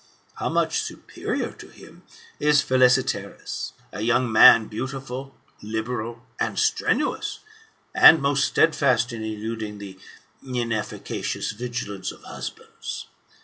How much superior to him is Philesietserus, a young man beautiful, liberal, and strenuous, and most steadfast in eluding the inefficacious vigilance of husbands!